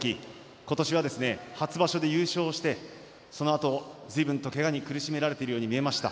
今年は初場所で優勝してそのあとずいぶんとけがに苦しめられているように見えました。